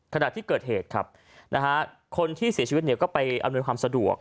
ขณะที่เกิดเหตุครับคนที่เสียชีวิตก็ไปอำนวยความสะดวก